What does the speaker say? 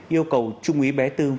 yêu cầu trung úy bé tư